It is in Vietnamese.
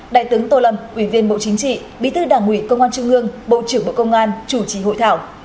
đại tướng tô lâm ủy viên bộ chính trị bí thư đảng ủy công an trung ương bộ trưởng bộ công an chủ trì hội thảo